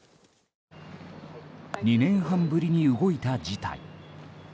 ２年半ぶりに動いた事態。